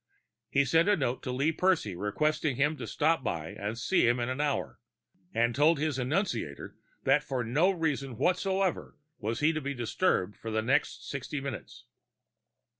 He sent a note to Lee Percy requesting him to stop by and see him in an hour, and told his annunciator that for no reason whatsoever was he to be disturbed for the next sixty minutes.